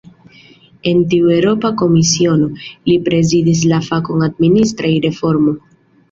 En tiu Eŭropa Komisiono, li prezidis la fakon "administraj reformoj".